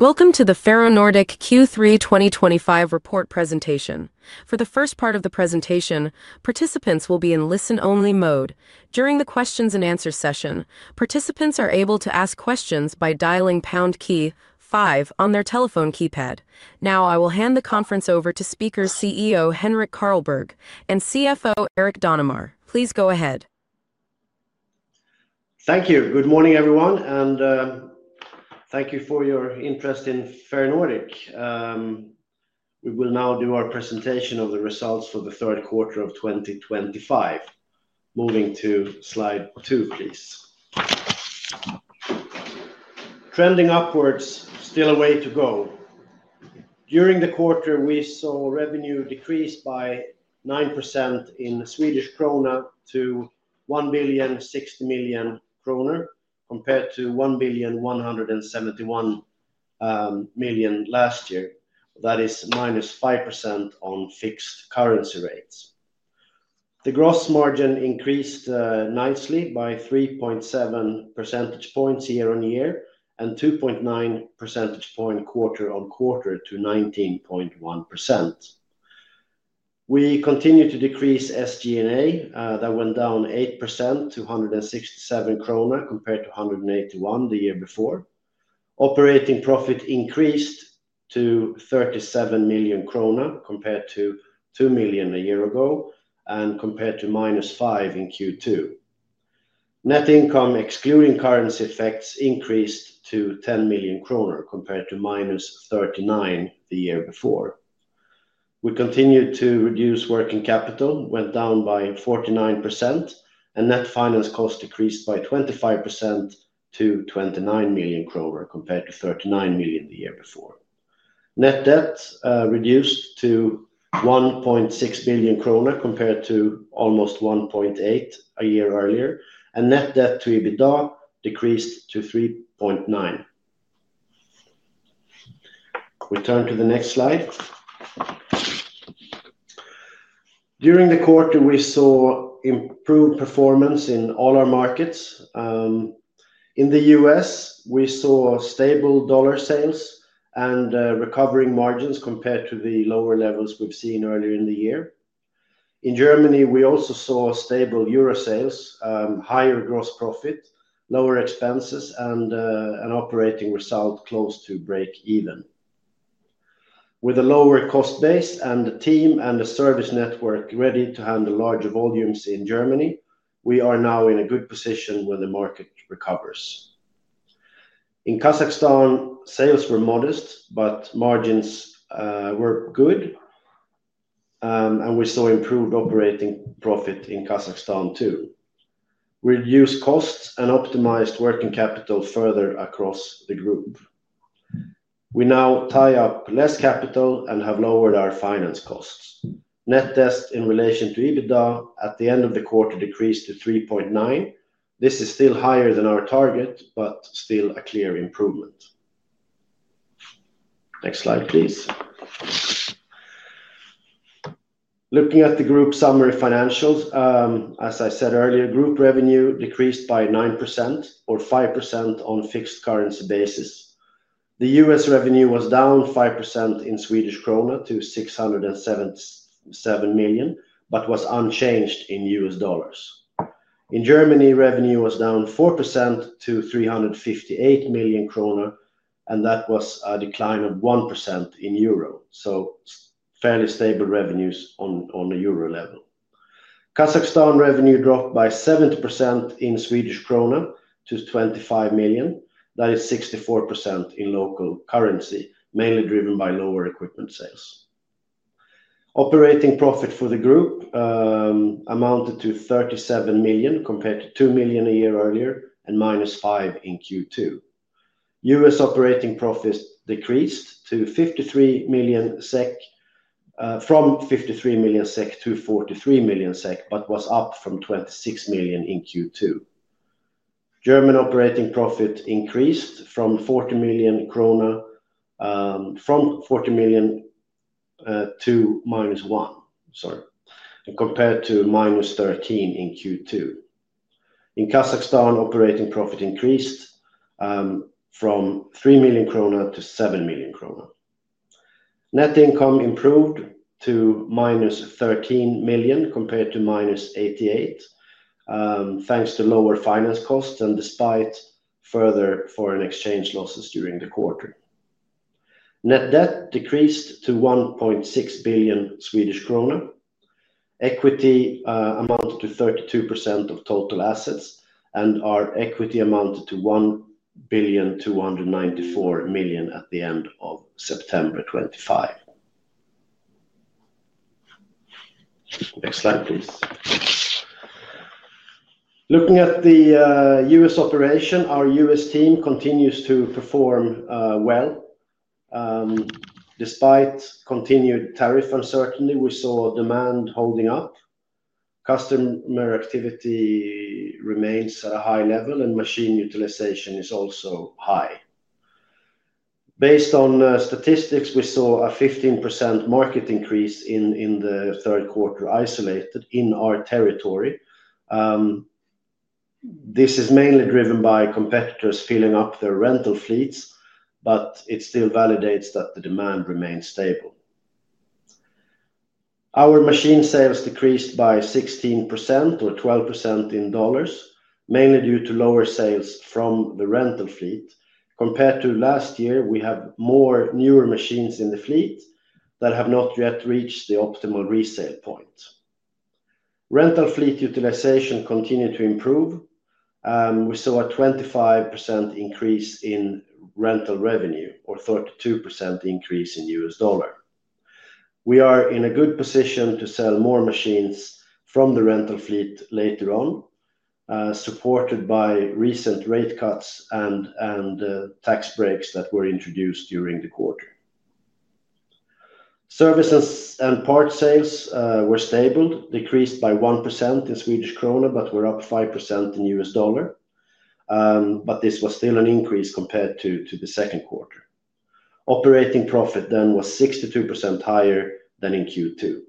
Welcome to the Ferronordic Q3 2025 report presentation. For the first part of the presentation, participants will be in listen-only mode. During the question-and-answer session, participants are able to ask questions by dialing #5 on their telephone keypad. Now, I will hand the conference over to CEO Henrik Carlborg and CFO Erik Danemar. Please go ahead. Thank you. Good morning, everyone, and thank you for your interest in Ferronordic. We will now do our presentation of the results for the third quarter of 2025. Moving to slide two, please. Trending upwards, still a way to go. During the quarter, we saw revenue decrease by 9% in SEK to 1,060 million kronor compared to 1,171 million last year. That is -5% on fixed currency rates. The gross margin increased nicely by 3.7 percentage points year on year and 2.9 percentage points quarter on quarter to 19.1%. We continue to decrease SG&A. That went down 8% to 167 million kronor compared to 181 million the year before. Operating profit increased to 37 million kronor compared to 2 million a year ago, and compared to minus 5 million in Q2. Net income, excluding currency effects, increased to 10 million kronor compared to minus 39 million the year before. We continued to reduce working capital. Went down by 49%, and net finance cost decreased by 25% to 29 million kronor compared to 39 million the year before. Net debt reduced to 1.6 billion kronor, compared to almost 1.8 billion a year earlier, and net debt to EBITDA decreased to 3.9x. We turn to the next slide. During the quarter, we saw improved performance in all our markets. In the US, we saw stable dollar sales and recovering margins compared to the lower levels we've seen earlier in the year. In Germany, we also saw stable euro sales, higher gross profit, lower expenses, and an operating result close to break-even. With a lower cost base and a team and a service network ready to handle larger volumes in Germany, we are now in a good position when the market recovers. In Kazakhstan, sales were modest, but margins were good, and we saw improved operating profit in Kazakhstan too. We reduced costs and optimized working capital further across the group. We now tie up less capital and have lowered our finance costs. Net debt in relation to EBITDA at the end of the quarter decreased to 3.9x. This is still higher than our target, but still a clear improvement. Next slide, please. Looking at the group summary financials, as I said earlier, group revenue decreased by 9% or 5% on fixed currency basis. The US revenue was down 5% in SEK to 677 million Swedish krona but was unchanged in US dollars. In Germany, revenue was down 4% to 358 million kronor and that was a decline of 1% in euro. Fairly stable revenues on the euro level. Kazakhstan revenue dropped by 70% in SEK to 25 million Swedish krona. That is 64% in local currency, mainly driven by lower equipment sales. Operating profit for the group amounted to 37 million, compared to 2 million a year earlier and -5% in Q2. US operating profit decreased to 53 million SEK from 53 million SEK to 43 million SEK, but was up from 26 million in Q2. German operating profit increased from 40 million krona from 40 million to -1 million, sorry, compared to -13 million in Q2. In Kazakhstan, operating profit increased from 3 million krona to 7 million krona. Net income improved to -13 million, compared to -88 million, thanks to lower finance costs and despite further foreign exchange losses during the quarter. Net debt decreased to 1.6 billion Swedish krona. Equity amounted to 32% of total assets, and our equity amounted to 1,294 million at the end of September 25. Next slide, please. Looking at the US operation, our US team continues to perform well. Despite continued tariff uncertainty, we saw demand holding up. Customer activity remains at a high level, and machine utilization is also high. Based on statistics, we saw a 15% market increase in the third quarter isolated in our territory. This is mainly driven by competitors filling up their rental fleets, but it still validates that the demand remains stable. Our machine sales decreased by 16% or 12% in dollars, mainly due to lower sales from the rental fleet. Compared to last year, we have more newer machines in the fleet that have not yet reached the optimal resale point. Rental fleet utilization continued to improve. We saw a 25% increase in rental revenue or 32% increase in U.S. dollar. We are in a good position to sell more machines from the rental fleet later on, supported by recent rate cuts and tax breaks that were introduced during the quarter. Services and parts sales were stable, decreased by 1% in Swedish krona, but were up 5% in U.S. dollar. This was still an increase compared to the second quarter. Operating profit was 62% higher than in Q2.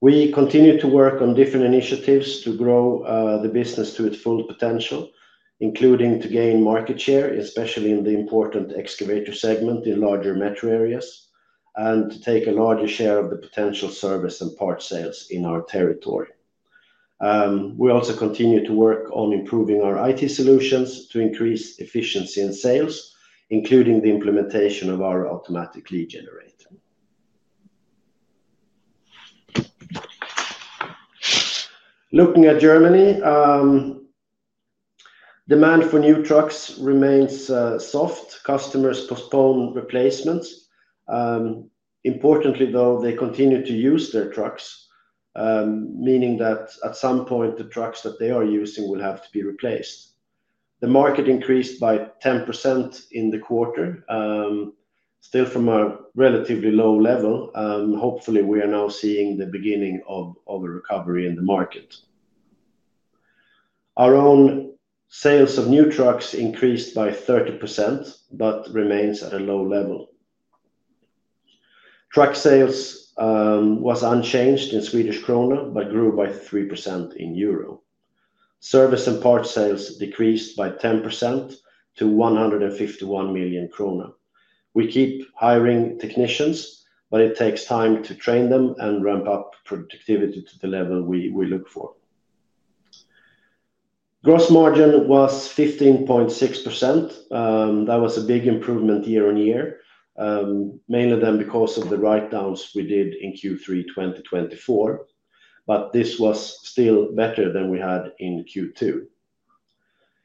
We continue to work on different initiatives to grow the business to its full potential, including to gain market share, especially in the important excavator segment in larger metro areas, and to take a larger share of the potential service and parts sales in our territory. We also continue to work on improving our IT solutions to increase efficiency in sales, including the implementation of our automatic lead generator. Looking at Germany, demand for new trucks remains soft. Customers postpone replacements. Importantly, though, they continue to use their trucks, meaning that at some point, the trucks that they are using will have to be replaced. The market increased by 10% in the quarter, still from a relatively low level. Hopefully, we are now seeing the beginning of a recovery in the market. Our own sales of new trucks increased by 30% but remains at a low level. Truck sales was unchanged in Swedish krona but grew by 3% in euro. Service and parts sales decreased by 10% to 151 million krona. We keep hiring technicians, but it takes time to train them and ramp up productivity to the level we look for. Gross margin was 15.6%. That was a big improvement year on year, mainly then because of the write-downs we did in Q3 2024, but this was still better than we had in Q2.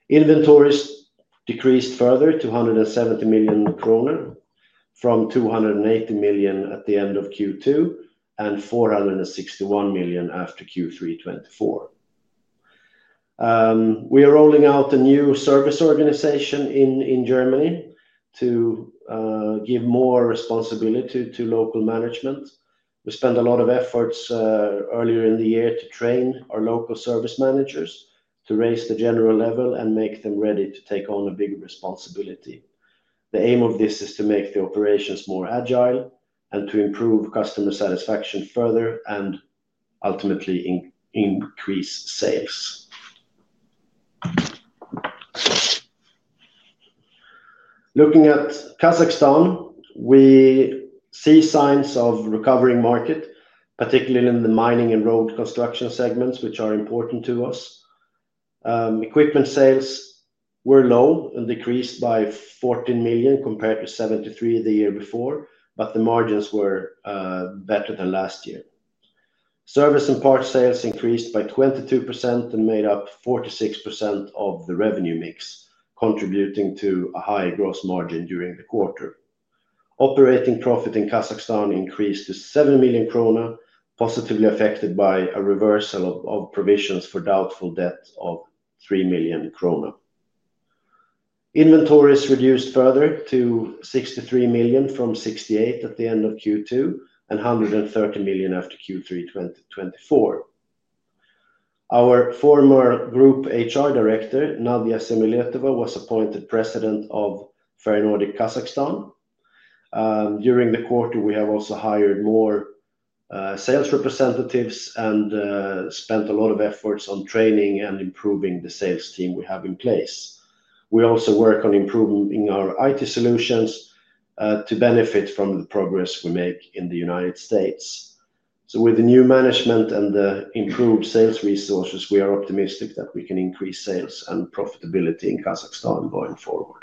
Inventories decreased further to 170 million kronor from 280 million at the end of Q2 and 461 million after Q3 2024. We are rolling out a new service organization in Germany to give more responsibility to local management. We spent a lot of efforts earlier in the year to train our local service managers to raise the general level and make them ready to take on a bigger responsibility. The aim of this is to make the operations more agile and to improve customer satisfaction further and ultimately increase sales. Looking at Kazakhstan, we see signs of a recovering market, particularly in the mining and road construction segments, which are important to us. Equipment sales were low and decreased by 14 million compared to 73 million the year before, but the margins were better than last year. Service and parts sales increased by 22% and made up 46% of the revenue mix, contributing to a higher gross margin during the quarter. Operating profit in Kazakhstan increased to 7 million krona positively affected by a reversal of provisions for doubtful debt of 3 million krona. Inventories reduced further to 63 million from 68 million at the end of Q2 and 130 million after Q3 2024. Our former Group HR Director, Nadezhda Semiletova, was appointed President of Ferronordic Kazakhstan. During the quarter, we have also hired more sales representatives and spent a lot of efforts on training and improving the sales team we have in place. We also work on improving our IT solutions to benefit from the progress we make in the United States. With the new management and the improved sales resources, we are optimistic that we can increase sales and profitability in Kazakhstan going forward.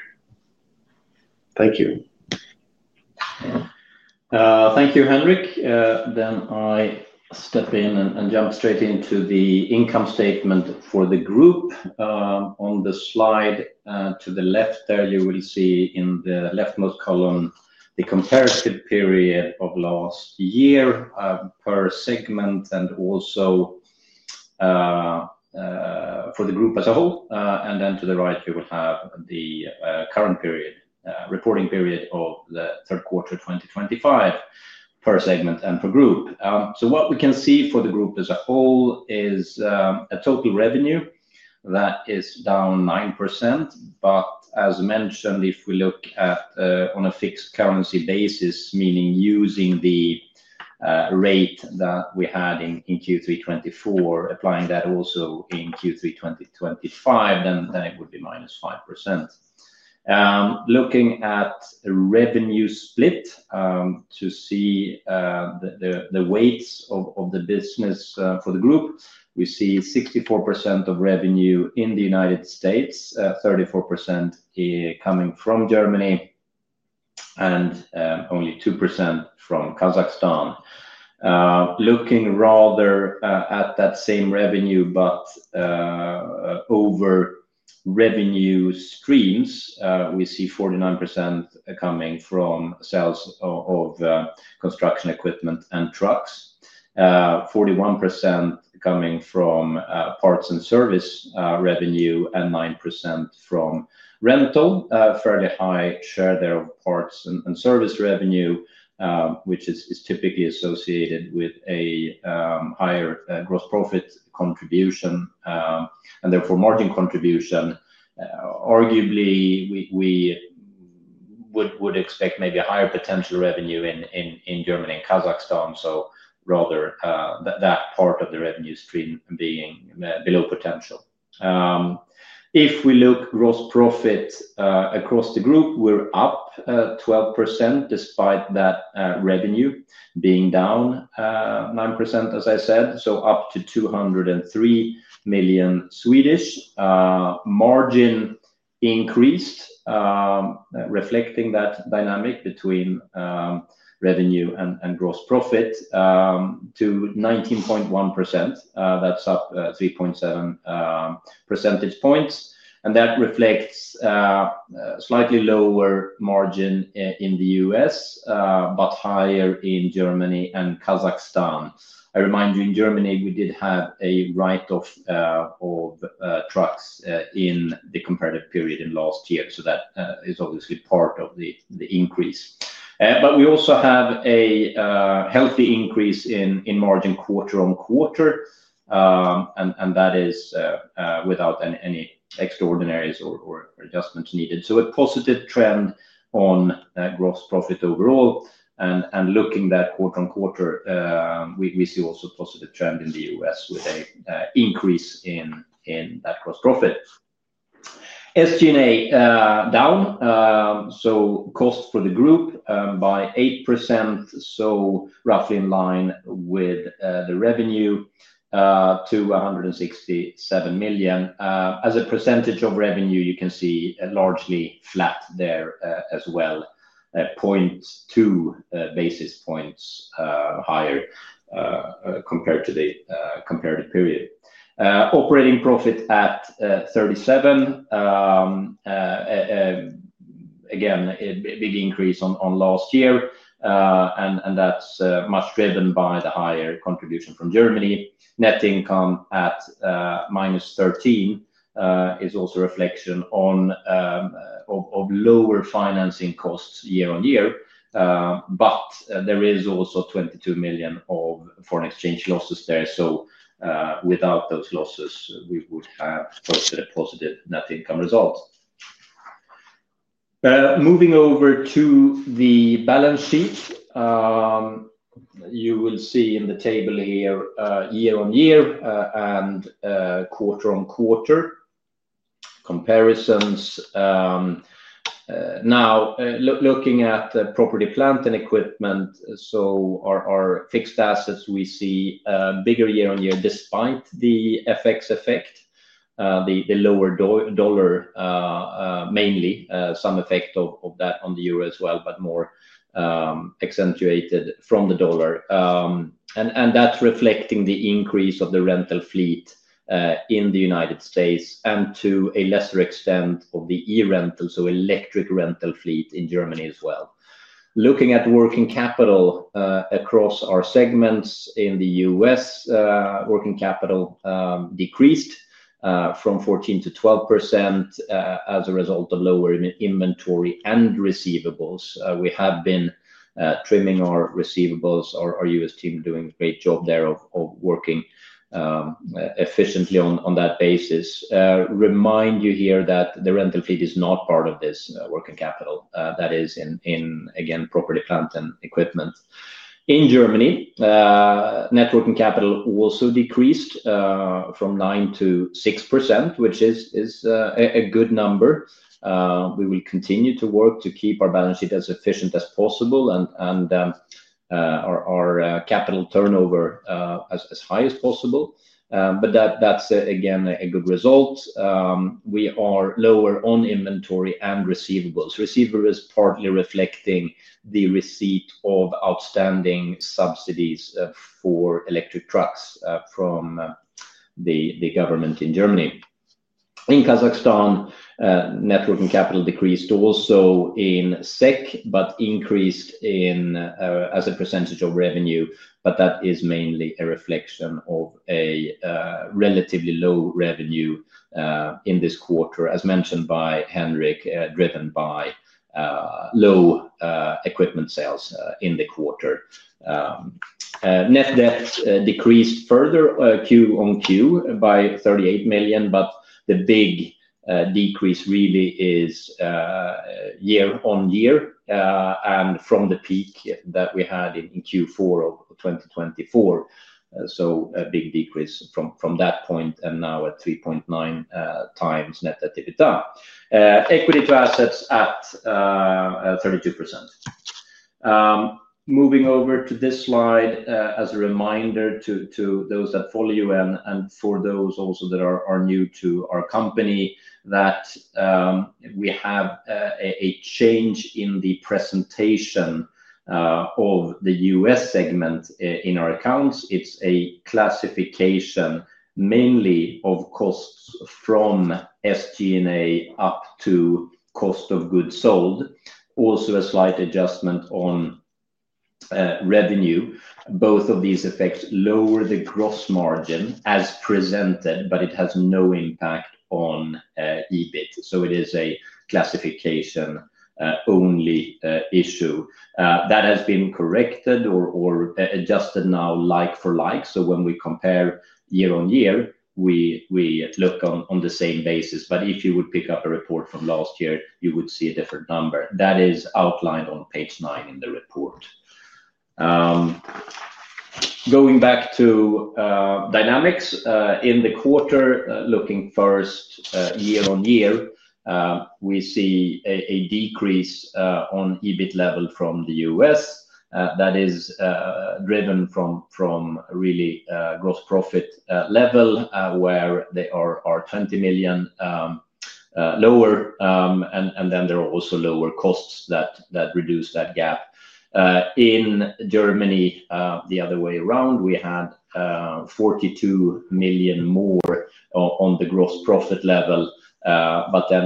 Thank you. Thank you, Henrik. I step in and jump straight into the income statement for the group. On the slide to the left there, you will see in the leftmost column the comparative period of last year per segment and also for the group as a whole. To the right, we will have the current reporting period of the third quarter 2025 per segment and per group. What we can see for the group as a whole is a total revenue that is down 9%. As mentioned, if we look at on a fixed currency basis, meaning using the rate that we had in Q3 2024, applying that also in Q3 2025, then it would be -5%. Looking at revenue split to see the weights of the business for the group, we see 64% of revenue in the United States, 34% coming from Germany, and only 2% from Kazakhstan. Looking rather at that same revenue, but over revenue streams, we see 49% coming from sales of construction equipment and trucks, 41% coming from parts and service revenue, and 9% from rental, a fairly high share there of parts and service revenue, which is typically associated with a higher gross profit contribution and therefore margin contribution. Arguably, we would expect maybe a higher potential revenue in Germany and Kazakhstan, so rather that part of the revenue stream being below potential. If we look at gross profit across the group, we're up 12% despite that revenue being down 9%, as I said, so up to 203 million. Margin increased, reflecting that dynamic between revenue and gross profit to 19.1%. That's up 3.7 percentage points. That reflects slightly lower margin in the U.S., but higher in Germany and Kazakhstan. I remind you, in Germany, we did have a write-off of trucks in the comparative period in last year. That is obviously part of the increase. We also have a healthy increase in margin quarter on quarter, and that is without any extraordinaries or adjustments needed. A positive trend on gross profit overall. Looking at that quarter on quarter, we see also a positive trend in the US with an increase in that gross profit. SG&A down, so cost for the group by 8%, so roughly in line with the revenue to 167 million. As a percentage of revenue, you can see largely flat there as well, 0.2 basis points higher compared to the comparative period. Operating profit at 37 million. Again, a big increase on last year, and that's much driven by the higher contribution from Germany. Net income at -13 is also a reflection of lower financing costs year on year, but there is also 22 million of foreign exchange losses there. Without those losses, we would have a positive net income result. Moving over to the balance sheet, you will see in the table here year on year and quarter on quarter comparisons. Now, looking at property, plant, and equipment, so our fixed assets, we see bigger year on year despite the FX effect, the lower dollar mainly, some effect of that on the euro as well, but more accentuated from the dollar. That is reflecting the increase of the rental fleet in the United States and to a lesser extent of the e-rental, so electric rental fleet in Germany as well. Looking at working capital across our segments in the US, working capital decreased from 14% to 12% as a result of lower inventory and receivables. We have been trimming our receivables. Our U.S. team is doing a great job there of working efficiently on that basis. Remind you here that the rental fleet is not part of this working capital. That is in, again, property, plant, and equipment. In Germany, net working capital also decreased from 9% to 6%, which is a good number. We will continue to work to keep our balance sheet as efficient as possible and our capital turnover as high as possible. That is, again, a good result. We are lower on inventory and receivables. Receivables are partly reflecting the receipt of outstanding subsidies for electric trucks from the government in Germany. In Kazakhstan, net working capital decreased also in SEK, but increased as a percentage of revenue. That is mainly a reflection of a relatively low revenue in this quarter, as mentioned by Henrik, driven by low equipment sales in the quarter. Net debt decreased further quarter on quarter by 38 million, but the big decrease really is year on year and from the peak that we had in Q4 of 2024. A big decrease from that point and now at 3.9x net debt EBITDA. Equity to assets at 32%. Moving over to this slide as a reminder to those that follow you and for those also that are new to our company, we have a change in the presentation of the U.S. segment in our accounts. It is a classification mainly of costs from SG&A up to cost of goods sold. Also, a slight adjustment on revenue. Both of these effects lower the gross margin as presented, but it has no impact on EBIT. It is a classification-only issue. That has been corrected or adjusted now like for like. When we compare year on year, we look on the same basis. If you would pick up a report from last year, you would see a different number. That is outlined on page nine in the report. Going back to dynamics in the quarter, looking first year on year, we see a decrease on EBIT level from the U.S. That is driven from really gross profit level where they are 20 million lower, and then there are also lower costs that reduce that gap. In Germany, the other way around, we had 42 million more on the gross profit level. In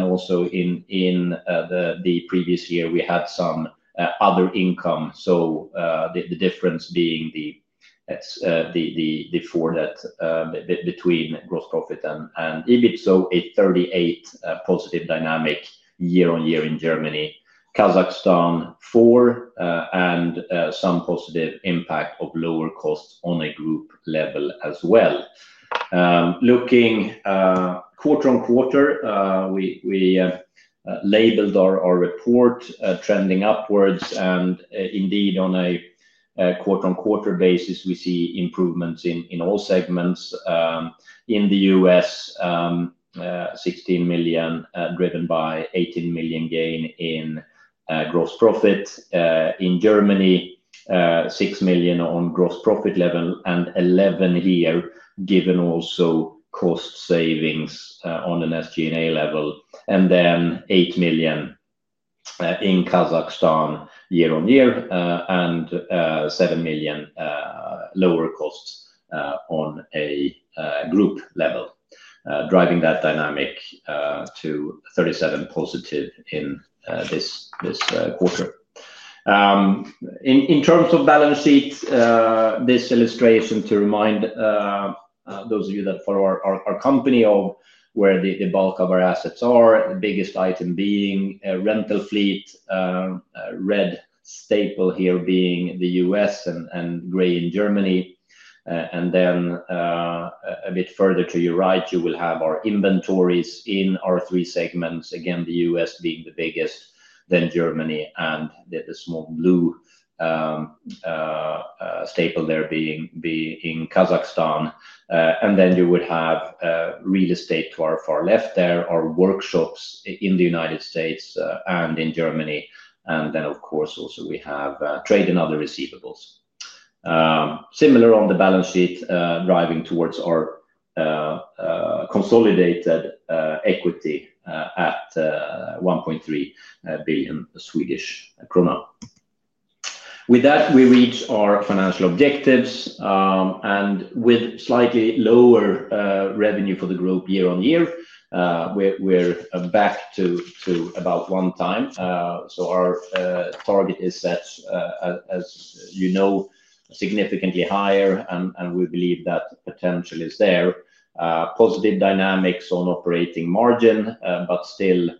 the previous year, we had some other income. The difference being the forward between gross profit and EBIT. A 38 positive dynamic year on year in Germany. Kazakhstan, four, and some positive impact of lower costs on a group level as well. Looking quarter on quarter, we labeled our report trending upwards. Indeed, on a quarter on quarter basis, we see improvements in all segments. In the U.S., 16 million driven by 18 million gain in gross profit. In Germany, 6 million on gross profit level and 11 million here, given also cost savings on an SG&A level. Then 8 million in Kazakhstan year on year and 7 million lower costs on a group level, driving that dynamic to 37 positive in this quarter. In terms of balance sheet, this illustration to remind those of you that follow our company of where the bulk of our assets are, the biggest item being rental fleet, red staple here being the U.S. and gray in Germany. A bit further to your right, you will have our inventories in our three segments. Again, the U.S. being the biggest, then Germany, and the small blue staple there being in Kazakhstan. You would have real estate to our far left there, our workshops in the United States and in Germany. Of course, also we have trade and other receivables. Similar on the balance sheet, driving towards our consolidated equity at 1.3 billion Swedish krona. With that, we reach our financial objectives. With slightly lower revenue for the group year on year, we're back to about one time. Our target is set, as you know, significantly higher, and we believe that potential is there. Positive dynamics on operating margin, but still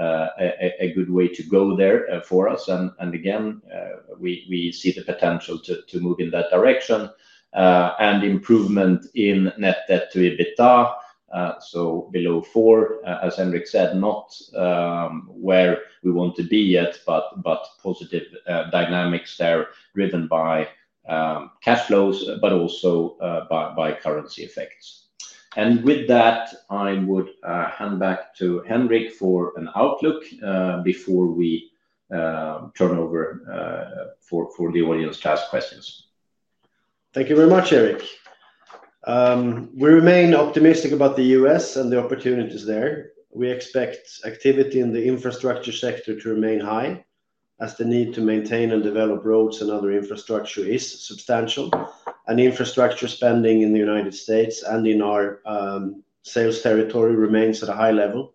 a good way to go there for us. Again, we see the potential to move in that direction and improvement in net debt to EBITDA, so below 4, as Henrik said, not where we want to be yet, but positive dynamics there driven by cash flows, but also by currency effects. With that, I would hand back to Henrik for an outlook before we turn over for the audience to ask questions. Thank you very much, Erik. We remain optimistic about the U.S. and the opportunities there. We expect activity in the infrastructure sector to remain high as the need to maintain and develop roads and other infrastructure is substantial. Infrastructure spending in the United States and in our sales territory remains at a high level.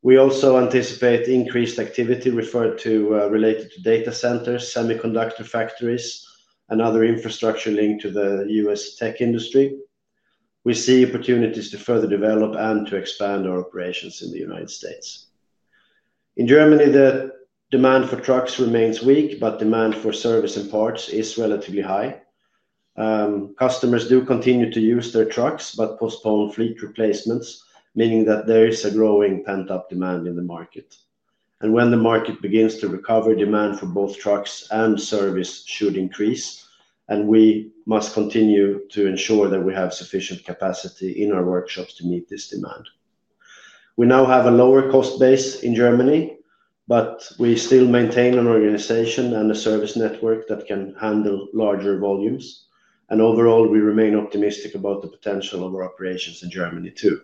We also anticipate increased activity related to data centers, semiconductor factories, and other infrastructure linked to the U.S. tech industry. We see opportunities to further develop and to expand our operations in the United States. In Germany, the demand for trucks remains weak, but demand for service and parts is relatively high. Customers do continue to use their trucks but postpone fleet replacements, meaning that there is a growing pent-up demand in the market. When the market begins to recover, demand for both trucks and service should increase, and we must continue to ensure that we have sufficient capacity in our workshops to meet this demand. We now have a lower cost base in Germany, but we still maintain an organization and a service network that can handle larger volumes. Overall, we remain optimistic about the potential of our operations in Germany too.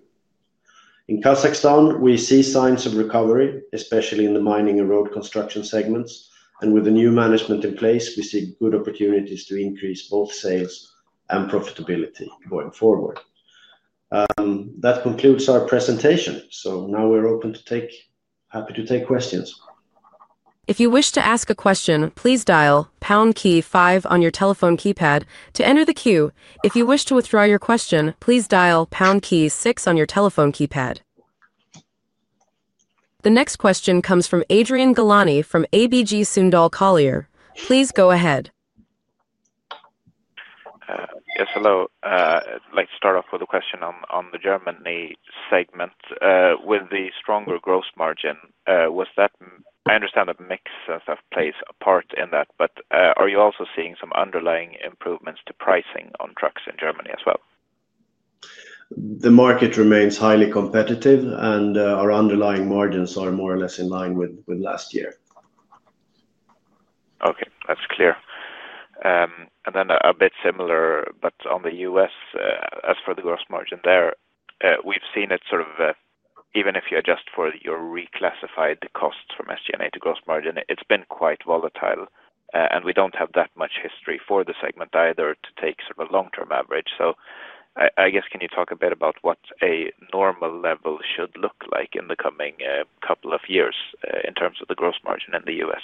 In Kazakhstan, we see signs of recovery, especially in the mining and road construction segments. With the new management in place, we see good opportunities to increase both sales and profitability going forward. That concludes our presentation. We are now happy to take questions. If you wish to ask a question, please dial pound key five on your telephone keypad to enter the queue. If you wish to withdraw your question, please dial pound key six on your telephone keypad. The next question comes from Adrian Gilani from ABG Sundal Collier. Please go ahead. Yes, hello. I'd like to start off with a question on the Germany segment. With the stronger gross margin, was that—I understand that mix and stuff plays a part in that, but are you also seeing some underlying improvements to pricing on trucks in Germany as well? The market remains highly competitive, and our underlying margins are more or less in line with last year. Okay, that's clear. Then a bit similar, but on the U.S., as for the gross margin there, we've seen it sort of, even if you adjust for your reclassified costs from SG&A to gross margin, it's been quite volatile. We don't have that much history for the segment either to take sort of a long-term average. I guess, can you talk a bit about what a normal level should look like in the coming couple of years in terms of the gross margin in the U.S.?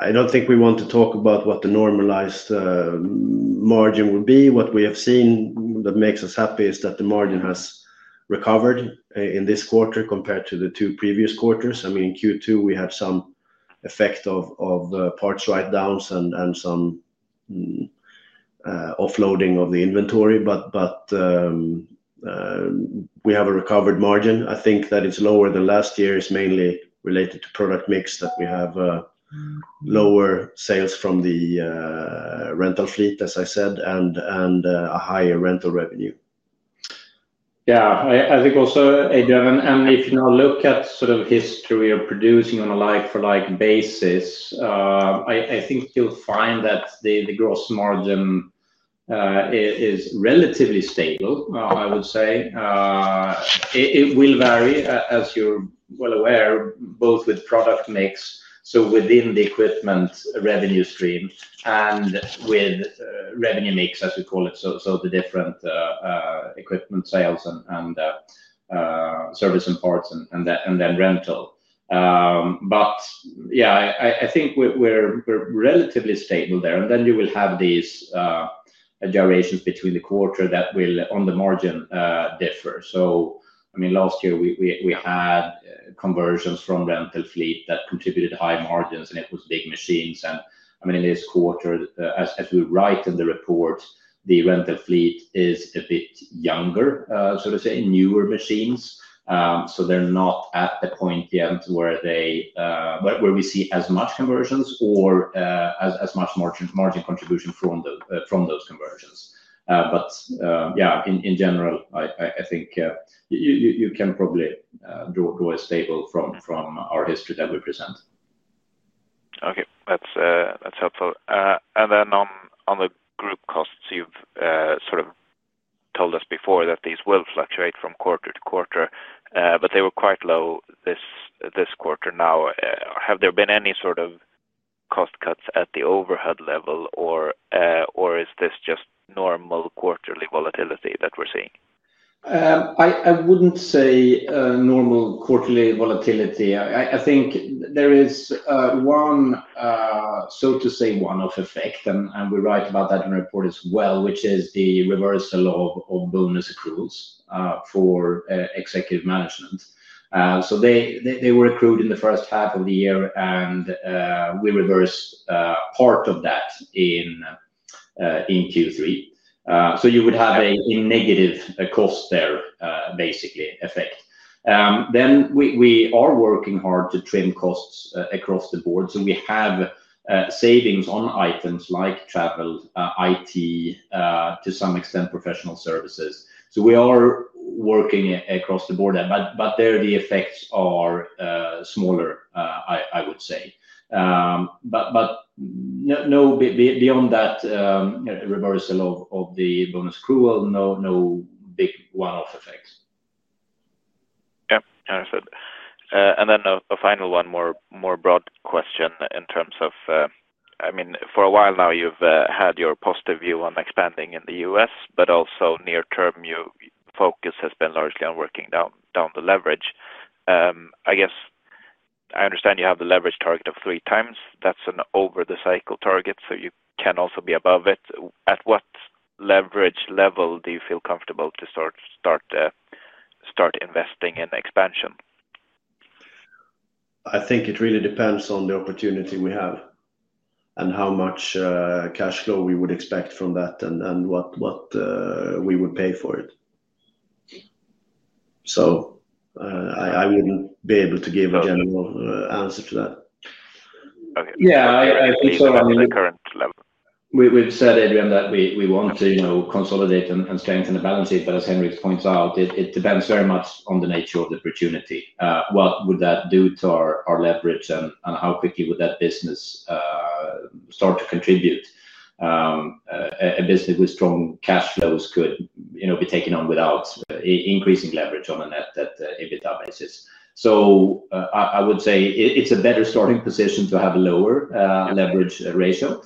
I do not think we want to talk about what the normalized margin would be. What we have seen that makes us happy is that the margin has recovered in this quarter compared to the two previous quarters. I mean, in Q2, we had some effect of parts write-downs and some offloading of the inventory, but we have a recovered margin. I think that it is lower than last year is mainly related to product mix that we have lower sales from the rental fleet, as I said, and a higher rental revenue. Yeah, I think also if you now look at sort of history of producing on a like-for-like basis, I think you'll find that the gross margin is relatively stable, I would say. It will vary, as you're well aware, both with product mix, so within the equipment revenue stream, and with revenue mix, as we call it, so the different equipment sales and service and parts and then rental. Yeah, I think we're relatively stable there. Then you will have these gyrations between the quarter that will, on the margin, differ. I mean, last year, we had conversions from rental fleet that contributed high margins, and it was big machines. I mean, in this quarter, as we write in the report, the rental fleet is a bit younger, sort of say, newer machines. They're not at the point yet where we see as much conversions or as much margin contribution from those conversions. Yeah, in general, I think you can probably draw a stable from our history that we present. Okay, that's helpful. Then on the group costs, you've sort of told us before that these will fluctuate from quarter to quarter, but they were quite low this quarter. Now, have there been any sort of cost cuts at the overhead level, or is this just normal quarterly volatility that we're seeing? I wouldn't say normal quarterly volatility. I think there is one, so to say, one-off effect, and we write about that in the report as well, which is the reversal of bonus accruals for executive management. So they were accrued in the first half of the year, and we reversed part of that in Q3. You would have a negative cost there, basically, effect. We are working hard to trim costs across the board. We have savings on items like travel, IT, to some extent professional services. We are working across the board, but there the effects are smaller, I would say. Beyond that reversal of the bonus accrual, no big one-off effect. Yeah, I see. Then a final one, more broad question in terms of, I mean, for a while now, you've had your positive view on expanding in the U.S., but also near-term, your focus has been largely on working down the leverage. I guess I understand you have the leverage target of three times. That's an over-the-cycle target, so you can also be above it. At what leverage level do you feel comfortable to start investing in expansion? I think it really depends on the opportunity we have and how much cash flow we would expect from that and what we would pay for it. I would not be able to give a general answer to that. Okay. Yeah, I think so. At the current level? We've said, Adrian, that we want to consolidate and strengthen the balance sheet, but as Henrik points out, it depends very much on the nature of the opportunity. What would that do to our leverage and how quickly would that business start to contribute? A business with strong cash flows could be taken on without increasing leverage on a net EBITDA basis. I would say it's a better starting position to have a lower leverage ratio.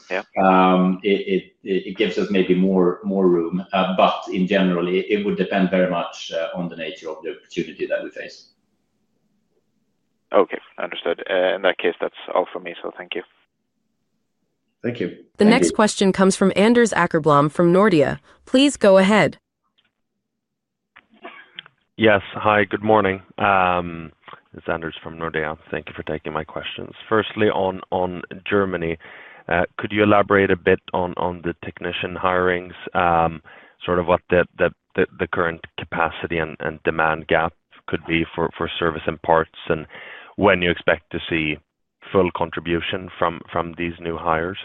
It gives us maybe more room, but in general, it would depend very much on the nature of the opportunity that we face. Okay, understood. In that case, that's all for me, so thank you. Thank you. The next question comes from Anders Åkerblom from Nordea. Please go ahead. Yes, hi, good morning. This is Anders from Nordea. Thank you for taking my questions. Firstly, on Germany, could you elaborate a bit on the technician hirings, sort of what the current capacity and demand gap could be for service and parts, and when you expect to see full contribution from these new hires?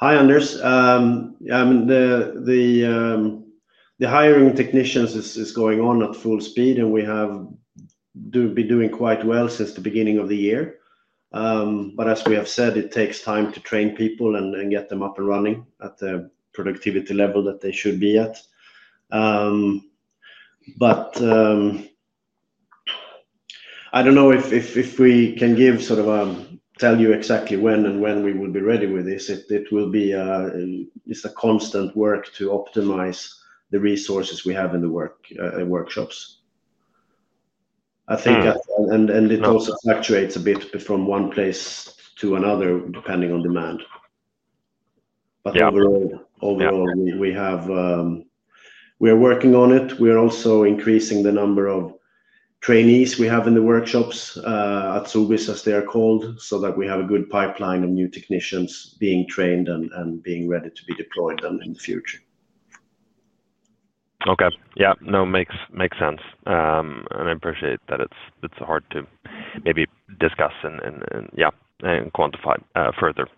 Hi, Anders. I mean, the hiring technicians is going on at full speed, and we have been doing quite well since the beginning of the year. As we have said, it takes time to train people and get them up and running at the productivity level that they should be at. I do not know if we can give sort of a tell you exactly when and when we will be ready with this. It will be just a constant work to optimize the resources we have in the workshops. I think that's, and it also fluctuates a bit from one place to another depending on demand. Overall, we are working on it. We are also increasing the number of trainees we have in the workshops as always, as they are called, so that we have a good pipeline of new technicians being trained and being ready to be deployed in the future. Okay, yeah, no, makes sense. I appreciate that it's hard to maybe discuss and, yeah, quantify further.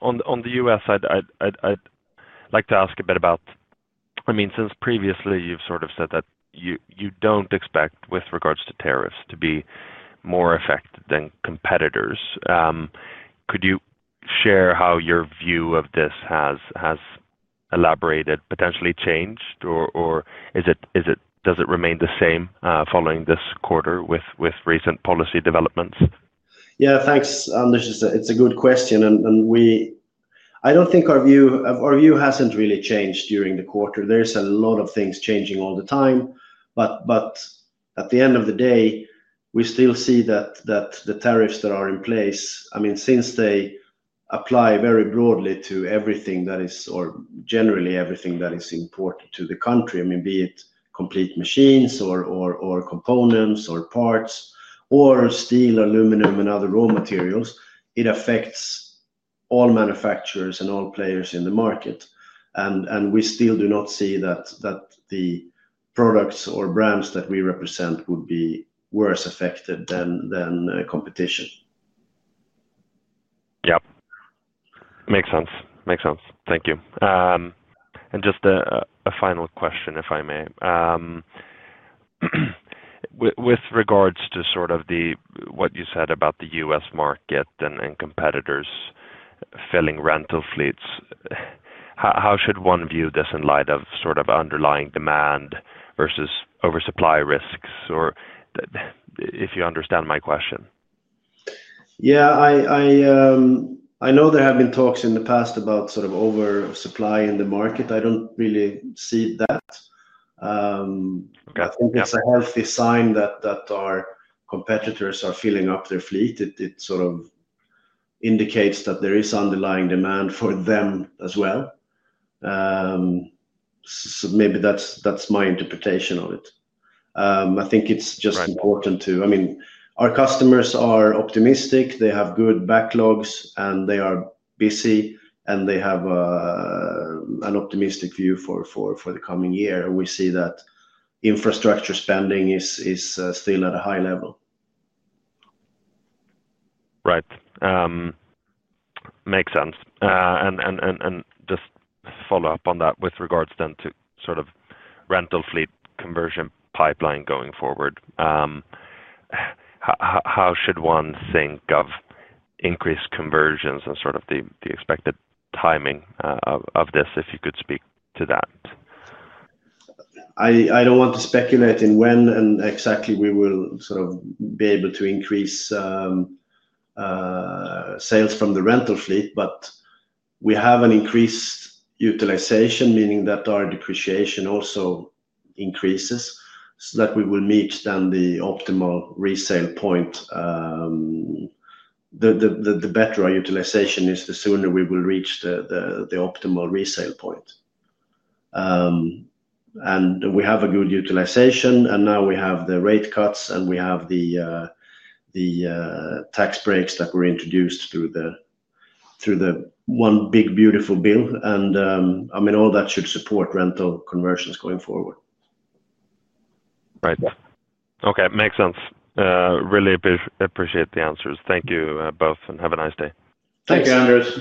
On the U.S., I'd like to ask a bit about, I mean, since previously you've sort of said that you don't expect with regards to tariffs to be more effective than competitors. Could you share how your view of this has elaborated, potentially changed, or does it remain the same following this quarter with recent policy developments? Yeah, thanks. Anders, it's a good question. I don't think our view hasn't really changed during the quarter. There's a lot of things changing all the time. At the end of the day, we still see that the tariffs that are in place, I mean, since they apply very broadly to everything that is, or generally everything that is important to the country, I mean, be it complete machines or components or parts or steel, aluminum, and other raw materials, it affects all manufacturers and all players in the market. We still do not see that the products or brands that we represent would be worse affected than competition. Yeah, makes sense. Makes sense. Thank you. Just a final question, if I may. With regards to sort of what you said about the US market and competitors filling rental fleets, how should one view this in light of sort of underlying demand versus oversupply risks, or if you understand my question? Yeah, I know there have been talks in the past about sort of oversupply in the market. I don't really see that. I think it's a healthy sign that our competitors are filling up their fleet. It sort of indicates that there is underlying demand for them as well. Maybe that's my interpretation of it. I think it's just important to, I mean, our customers are optimistic. They have good backlogs, and they are busy, and they have an optimistic view for the coming year. We see that infrastructure spending is still at a high level. Right. Makes sense. Just follow up on that with regards then to sort of rental fleet conversion pipeline going forward. How should one think of increased conversions and sort of the expected timing of this, if you could speak to that? I don't want to speculate in when and exactly we will sort of be able to increase sales from the rental fleet, but we have an increased utilization, meaning that our depreciation also increases, so that we will meet then the optimal resale point. The better our utilization is, the sooner we will reach the optimal resale point. I mean, we have a good utilization, and now we have the rate cuts, and we have the tax breaks that were introduced through the One Big Beautiful Bill. I mean, all that should support rental conversions going forward. Right. Okay, makes sense. Really appreciate the answers. Thank you both, and have a nice day. Thank you, Anders.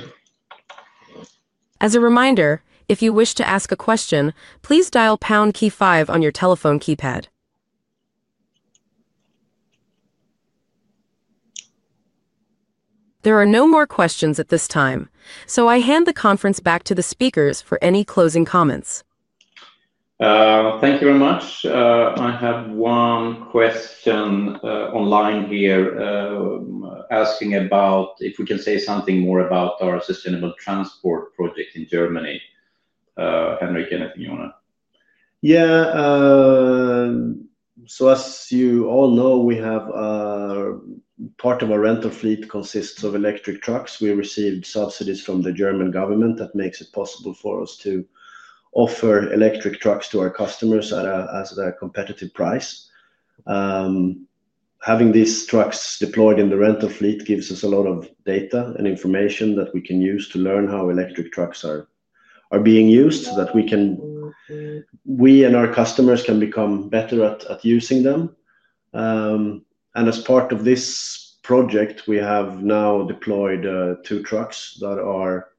As a reminder, if you wish to ask a question, please dial pound Key 5 on your telephone keypad. There are no more questions at this time, so I hand the conference back to the speakers for any closing comments. Thank you very much. I have one question online here asking about if we can say something more about our sustainable transport project in Germany. Henrik, anything you want to? Yeah. As you all know, part of our rental fleet consists of electric trucks. We received subsidies from the German government that make it possible for us to offer electric trucks to our customers at a competitive price. Having these trucks deployed in the rental fleet gives us a lot of data and information that we can use to learn how electric trucks are being used so that we and our customers can become better at using them. As part of this project, we have now deployed two trucks that are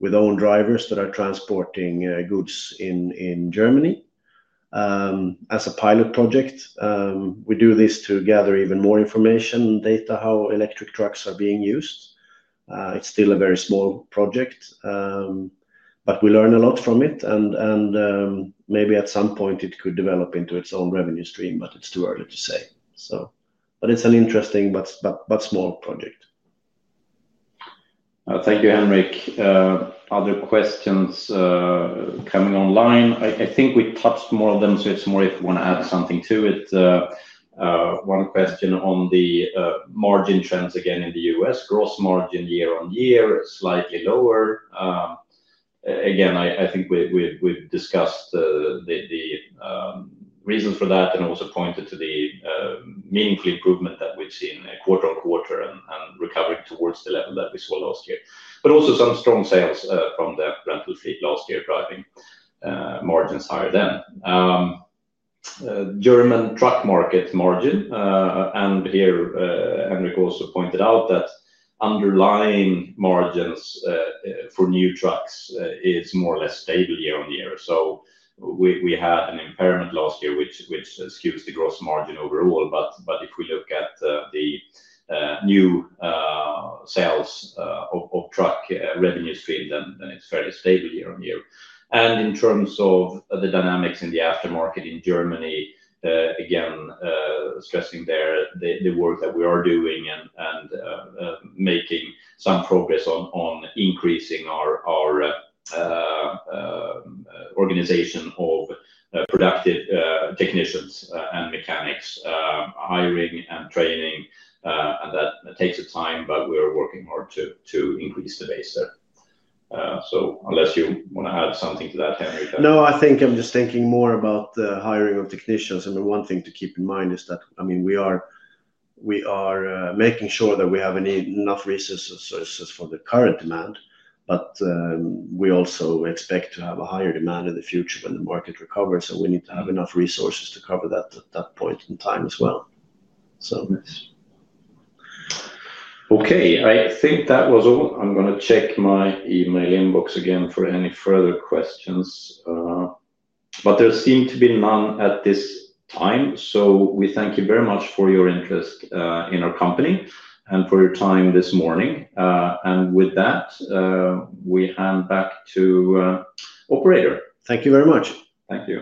with own drivers that are transporting goods in Germany as a pilot project. We do this to gather even more information and data on how electric trucks are being used. It is still a very small project, but we learn a lot from it. Maybe at some point, it could develop into its own revenue stream, but it's too early to say. It's an interesting but small project. Thank you, Henrik. Other questions coming online? I think we touched more of them, so it's more if you want to add something to it. One question on the margin trends again in the U.S. Gross margin year on year slightly lower. I think we've discussed the reasons for that and also pointed to the meaningful improvement that we've seen quarter on quarter and recovering towards the level that we saw last year. Also, some strong sales from the rental fleet last year driving margins higher then. German truck market margin, and here Henrik also pointed out that underlying margins for new trucks is more or less stable year on year. We had an impairment last year, which skews the gross margin overall. If we look at the new sales of truck revenue stream, then it's fairly stable year on year. In terms of the dynamics in the aftermarket in Germany, again, stressing there the work that we are doing and making some progress on increasing our organization of productive technicians and mechanics, hiring and training. That takes time, but we are working hard to increase the base there. Unless you want to add something to that, Henrik. No, I think I'm just thinking more about the hiring of technicians. I mean, one thing to keep in mind is that, I mean, we are making sure that we have enough resources for the current demand, but we also expect to have a higher demand in the future when the market recovers. We need to have enough resources to cover that point in time as well. Okay, I think that was all. I'm going to check my email inbox again for any further questions. There seem to be none at this time. We thank you very much for your interest in our company and for your time this morning. With that, we hand back to Operator. Thank you very much. Thank you.